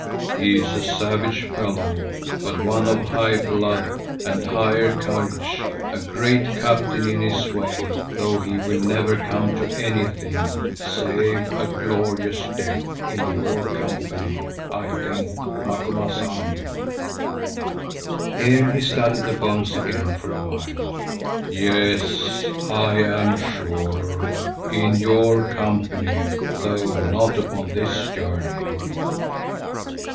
He is a savage fellow, but one of high blood and higher courage, a great captain in his way, though he will never come to anything, save a glorious death—in your company, I think, Macumazahn." (Here he studied the bones again for a while.) "Yes, I am sure, in your company, though not upon this journey."